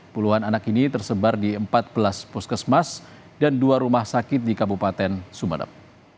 puluhan anak ini tersebar di empat belas puskesmas dan dua rumah sakit di kabupaten sumedap